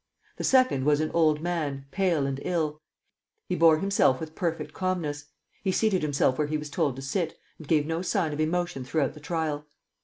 The second was an old man, pale and ill. He bore himself with perfect calmness. He seated himself where he was told to sit, and gave no sign of emotion throughout the trial.